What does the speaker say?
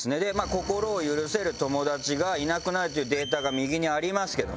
心を許せる友達がいなくなるというデータが右にありますけど。